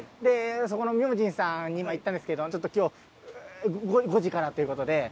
そこのみょうじんさんに今行ったんですけどちょっと今日５時からという事で。